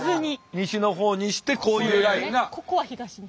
西の方にしてこういうラインが。